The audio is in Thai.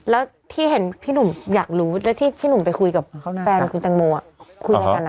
แล้วที่หนุ่มอยากรู้ที่ไปคุยกับแฟนคุณตังโมวะคุยไว้กันน่ะ